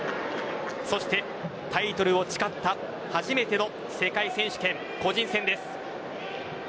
そして、タイトルを誓った初めての世界選手権個人戦です。